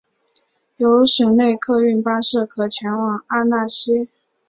有省内客运巴士可前往阿讷西。